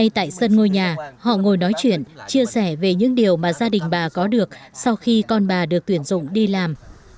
tại sân ngôi nhà họ ngồi nói chuyện chia sẻ về những điều mà gia đình bà có được sau khi con bà được tuyển dụng đi làm